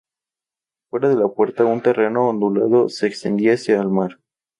Fuera de la puerta, un terreno ondulado se extendía hacia el mar.